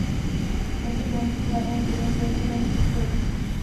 Tento den se zároveň považuje za den vzniku jednotky.